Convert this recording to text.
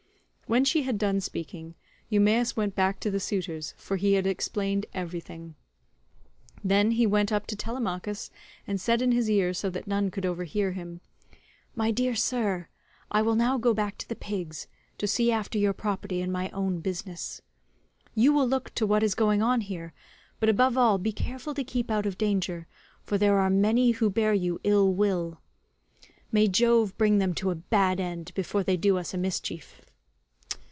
When she had done speaking Eumaeus went back to the suitors, for he had explained everything. Then he went up to Telemachus and said in his ear so that none could overhear him, "My dear sir, I will now go back to the pigs, to see after your property and my own business. You will look to what is going on here, but above all be careful to keep out of danger, for there are many who bear you ill will. May Jove bring them to a bad end before they do us a mischief."